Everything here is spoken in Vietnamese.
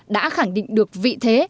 đã khẳng định được vị thế